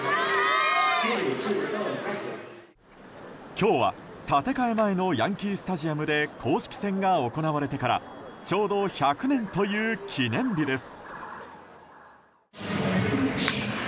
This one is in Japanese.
今日は建て替え前のヤンキー・スタジアムで公式戦が行われてから、ちょうど１００年という記念日です。